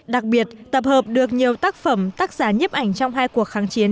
đặc biệt tập hợp được nhiều tác phẩm tác giả nhếp ảnh trong hai cuộc kháng chiến